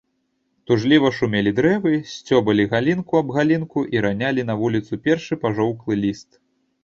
Тужліва шумелі дрэвы, сцёбалі галінку аб галінку і ранялі на вуліцу першы пажоўклы ліст.